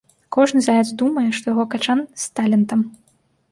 Кожны заяц думае, што яго качан з талентам.